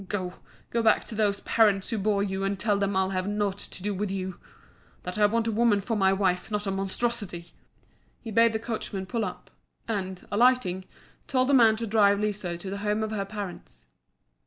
Go! go back to those parents who bore you, and tell them I'll have nought to do with you that I want a woman for my wife, not a monstrosity." He bade the coachman pull up, and, alighting, told the man to drive Liso to the home of her parents.